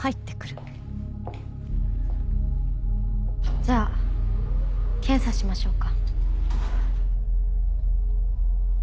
じゃあ検査しましょうか。